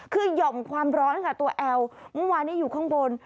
คือหย่อมความร้อนค่ะตัวแอลเมื่อวานนี้อยู่ข้างบน